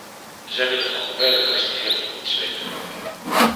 Zij willen van morele kwesties helemaal niets weten.